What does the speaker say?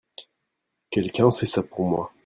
Quelqu'un fait ça pour moi.